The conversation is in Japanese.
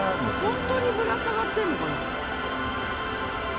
ホントにぶら下がってるのかな？